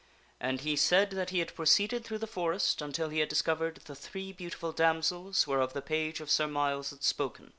And he said that he had proceeded through the forest, until he had discovered the three beautiful damsels whereof the page of Sir Myles had spoken.